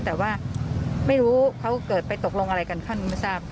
แต่ไม่รู้เค้าเกิดไปตกลงอะไรกันค่อนของก็ไม่ทราบ